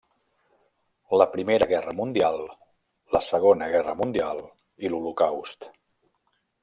La Primera Guerra Mundial, la Segona Guerra Mundial, i l'Holocaust.